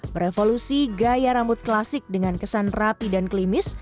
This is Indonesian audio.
berevolusi gaya rambut klasik dengan kesan rapi dan klimis